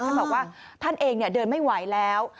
ท่านบอกว่าท่านเองเดินไม่ไหวแล้ว